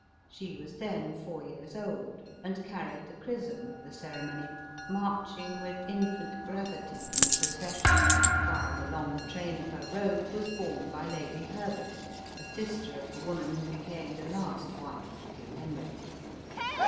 she was then four years old, and carried the chrisom at the ceremony, marching with infant gravity in the proces sion, while the long train of her robe was borne by ELIZABETH OF ENGLAND. 277 Lady Herbert, a sister of the woman who became the last wife of King Henry.